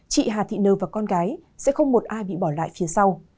chị hà thị nờ và con gái sẽ không một ai bị bỏ lại phía sau